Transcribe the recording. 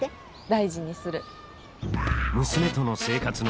大事にする。